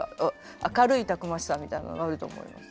明るいたくましさみたいなのがあると思います。